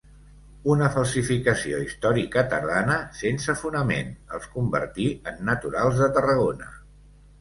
Una falsificació històrica tardana, sense fonament, els convertí en naturals de Tarragona.